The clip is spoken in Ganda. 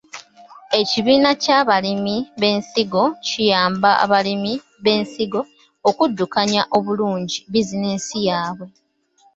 Ekibiina ky’abalimi b’ensigo kiyamba abalimi b’ensigo okuddukanya obulungi bizinensi yaabwe.